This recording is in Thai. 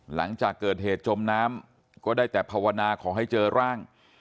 หลังจากเกิดเหตุจมน้ำก็ได้แต่ภาวนาขอให้เจอร่าง